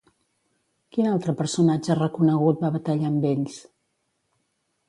Quin altre personatge reconegut va batallar amb ells?